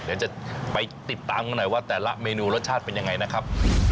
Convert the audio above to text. เดี๋ยวจะไปติดตามกันหน่อยว่าแต่ละเมนูรสชาติเป็นยังไงนะครับ